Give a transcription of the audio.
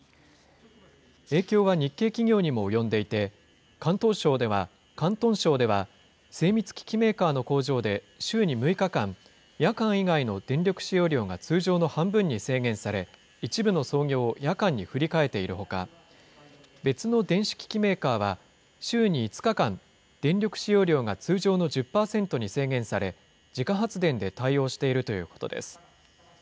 影響は日系企業にも及んでいて、広東省では、精密機器メーカーの工場で週に６日間、夜間以外の電力使用量が通常の半分に制限され、一部の操業を夜間に振り替えているほか、別の電子機器メーカーは、週に５日間、電力使用量が通常の１０％に制限され、自家発電で対応しているということです。